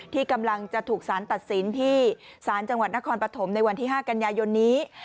ที่กำลังจะถูกสารตัดสินที่ศาลจังหวัดนครปฐมในวันที่๕กันยายนนี้